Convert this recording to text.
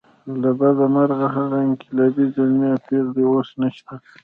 له بده مرغه هغه انقلابي زلمي او پېغلې اوس نشته.